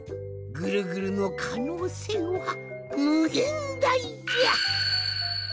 ぐるぐるのかのうせいはむげんだいじゃ！